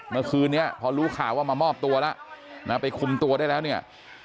เมื่อคืนนี้พอรู้ข่าวว่ามามอบตัวแล้วนะไปคุมตัวได้แล้วเนี่ย